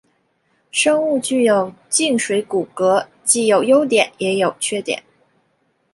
生物具有静水骨骼既有优点也有缺点。